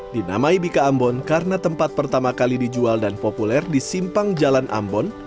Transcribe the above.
dinamai bika ambon karena tempat pertama kali dijual dan populer di simpang jalan ambon